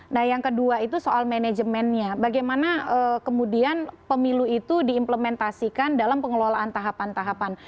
nah yang kedua itu soal manajemennya bagaimana kemudian pemilu itu diimplementasikan dalam pengelolaan tahapan tahapan